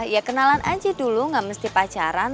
ya kenalan aja dulu gak mesti pacaran